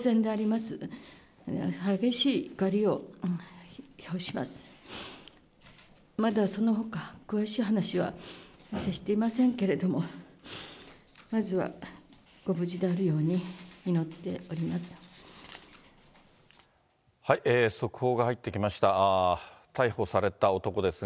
まだそのほか、詳しい話は接していませんけれども、まずはご無事であるように、祈っております。